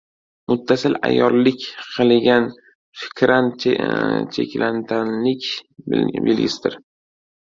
Muttasil ayyorlik qiliga fikran cheklantanlik belgisidir